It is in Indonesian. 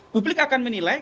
publik akan menilai